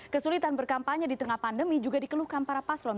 kesulitan berkampanye di tengah pandemi juga dikeluhkan para paslon